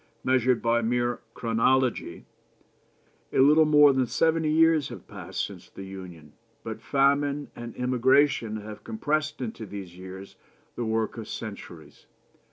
Measured by mere chronology, a little more than seventy years have passed since the Union, but famine and emigration have compressed into these years the work of centuries.